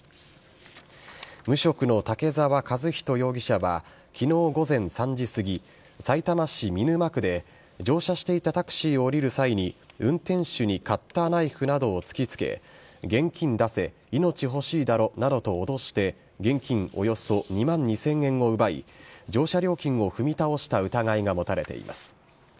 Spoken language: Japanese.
無職の竹沢和人容疑者はきのう午前３時過ぎ、さいたま市見沼区で、乗車していたタクシーを降りる際に、運転手にカッターナイフなどを突きつけ、現金出せ、命欲しいだろなどと脅して、現金およそ２万２０００円を奪い、乗車料金を踏み倒した疑いが持たれています。